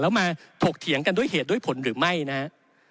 แล้วมาถกเถียงกันด้วยเหตุด้วยผลหรือไม่นะฮะ